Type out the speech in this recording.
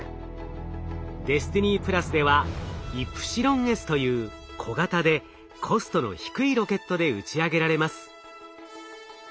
ＤＥＳＴＩＮＹではイプシロンＳという小型でコストの低いロケットで打ち上げられます。